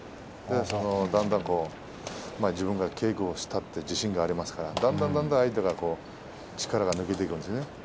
だんだん自分が稽古をしたという自信がありますからだんだん相手が力が抜けていくんですね。